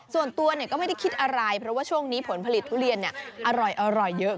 ส่วนตัวก็ไม่ได้คิดอะไรเพราะว่าช่วงนี้ผลผลิตทุเรียนอร่อยเยอะ